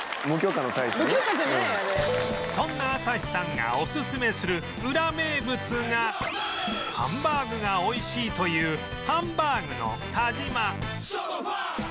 そんな朝日さんがオススメするウラ名物がハンバーグが美味しいというハンバーグのタジマ